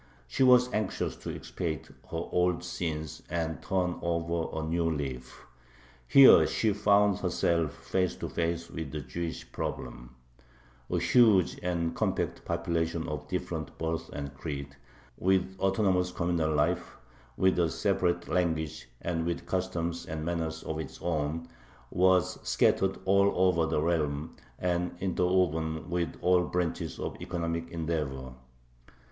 She was anxious to expiate her old sins and turn over a new leaf. Here she found herself face to face with the Jewish problem: a huge and compact population of different birth and creed, with an autonomous communal life, with a separate language, and with customs and manners of its own, was scattered all over the realm and interwoven with all branches of economic endeavor.